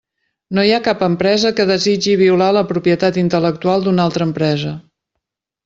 No hi ha cap empresa que desitgi violar la propietat intel·lectual d'una altra empresa.